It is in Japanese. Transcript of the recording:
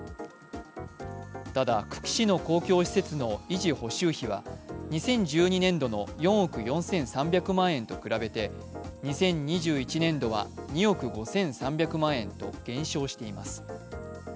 ただ、久喜市の公共施設の維持補修費は２０１２年度の４億４３００万円と比べて２０２１年度は２億５３００万円と減少しています。